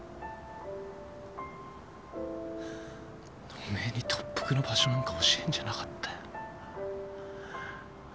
おめえに特服の場所なんか教えんじゃなかったよ。